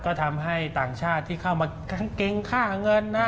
ก็ทำให้ต่างชาติที่เข้ามากางเกงค่าเงินนะ